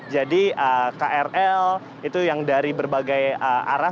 jadi krl itu yang dari berbagai arah